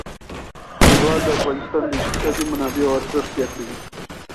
زغال د افغانستان د اقتصادي منابعو ارزښت زیاتوي.